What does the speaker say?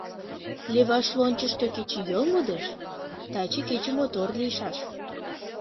Леваш лончышто кечыйол модеш: таче кече мотор лийшаш.